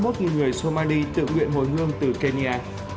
và hơn tám mươi một người somali tự nguyện hồi hương từ kenya